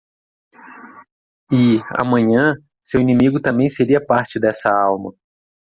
E? amanhã? seu inimigo também seria parte dessa Alma.